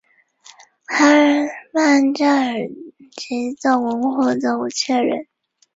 卡曼加尔即造弓或造武器的人。